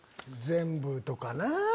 全部とかな。